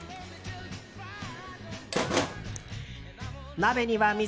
鍋には水。